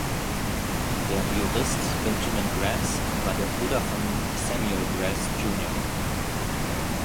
Der Jurist Benjamin Grass war der Bruder von Samuel Grass jun.